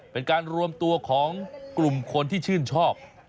เป็นการรวมตัวของกลุ่มคนที่ชื่นชอบ